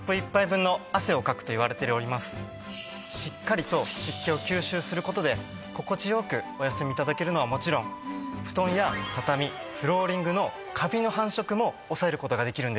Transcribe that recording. しっかりと湿気を吸収する事で心地よくお休み頂けるのはもちろん布団や畳フローリングのカビの繁殖も抑える事ができるんです。